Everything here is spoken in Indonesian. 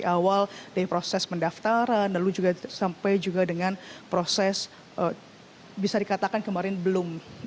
awal dari proses pendaftaran lalu juga sampai juga dengan proses bisa dikatakan kemarin belum